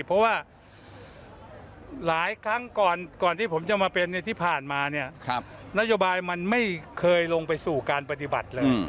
เพราะว่าหลายครั้งก่อนที่ผมจะมาเป็นที่ผ่านมาเนี่ยนโยบายมันไม่เคยลงไปสู่การปฏิบัติเลย